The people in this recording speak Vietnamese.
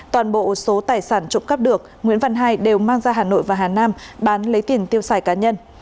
toàn bộ số tài sản trộm cắp được nguyễn văn hai đều mang ra hà nội và hà nam bán lấy tiền tiêu xài cá nhân